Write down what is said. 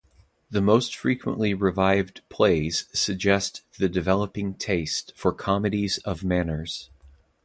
The most frequently revived plays suggest the developing taste for comedies of manners.